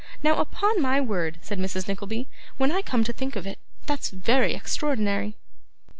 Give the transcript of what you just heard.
Now, upon my word,' said Mrs. Nickleby, 'when I come to think of it, that's very extraordinary!